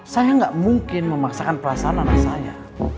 saya nggak mungkin memaksakan perasaan anak saya